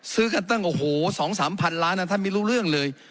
ซื้อกันตั้งโอ้โห๒๓พันล้านท่านไม่รู้เรื่องเลย